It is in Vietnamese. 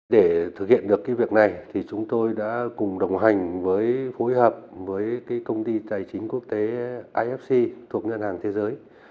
để thực hiện được việc này thì chúng tôi đã cùng đồng hành với phối hợp với công ty tài chính quốc tế ifc thuộc ngân hàng thế giới